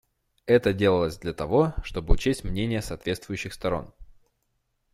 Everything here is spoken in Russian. Это делалось для того, чтобы учесть мнения соответствующих сторон.